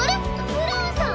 ブラウンさん？